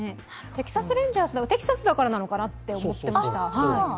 テキサス・レンジャーズでテキサスだからなのかなと思っていました。